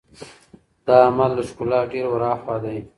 دا عمل له ښکلا ډېر ور هاخوا دی.